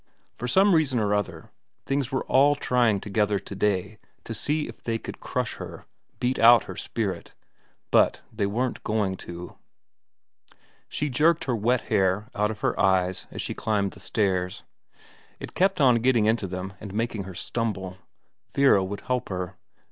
For some reason or other things were all trying together to day to see if they could crush her, beat out her spirit. But they weren't going to. ... She jerked her wet hair out of her eyes as she climbed the stairs. It kept on getting into them and making her stumble. Vera would help her.